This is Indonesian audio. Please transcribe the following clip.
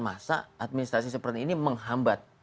masa administrasi seperti ini menghambat